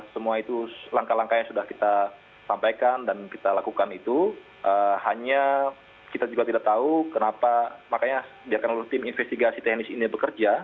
semua itu langkah langkah yang sudah kita sampaikan dan kita lakukan itu hanya kita juga tidak tahu kenapa makanya biarkan lalu tim investigasi teknis ini bekerja